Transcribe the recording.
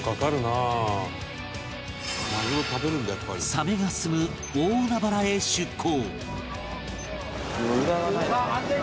サメが棲む大海原へ出港